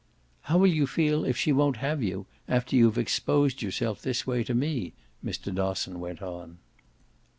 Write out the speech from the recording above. "How will you feel if she won't have you after you've exposed yourself this way to me?" Mr. Dosson went on.